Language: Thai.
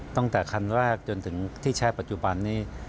ตั้งแต่คันแรกจนถึงที่ใช้ปัจจุบันนี้